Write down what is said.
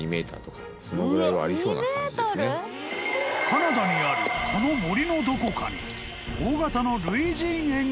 ［カナダにあるこの森のどこかに］